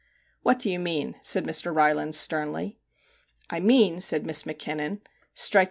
' 'What do you mean?' said Mr. Rylands sternly. * I mean/ said Miss Mackinnon, striking 54 MR.